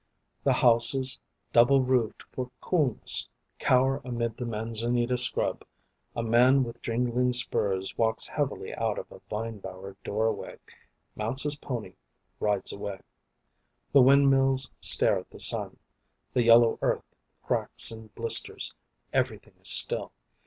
The houses, doubled roofed for coolness, Cower amid the manzanita scrub. A man with jingling spurs Walks heavily out of a vine bowered doorway, Mounts his pony, rides away. The windmills stare at the sun. The yellow earth cracks and blisters. Everything is still.